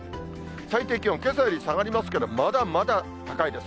最低気温、けさより下がりますけど、まだまだ高いです。